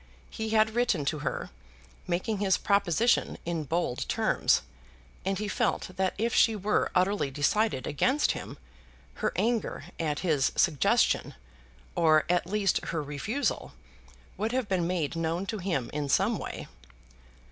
He had written to her, making his proposition in bold terms, and he felt that if she were utterly decided against him, her anger at his suggestion, or at least her refusal, would have been made known to him in some way.